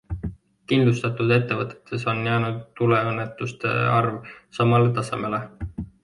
Kindlustatud ettevõtetes on jäänud tuleõnnetuste arv samale tasemele.